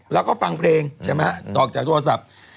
แล้วก็ฟังเพลงใช่ไหมฮะออกจากโทรศัพท์